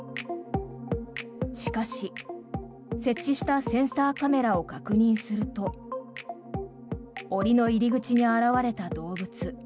しかし、設置したセンサーカメラを確認すると檻の入り口に現れた動物。